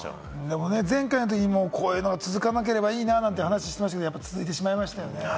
前回のときもこういうのが続かなければいいなという話していましたけど、続いてしまいましたよね。